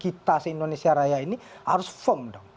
kita se indonesia raya ini harus firm dong